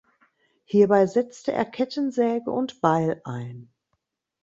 Hierbei setzte er Kettensäge und Beil ein.